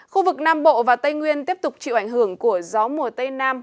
khu vực nam bộ và tây nguyên tiếp tục chịu ảnh hưởng của gió mùa tây nam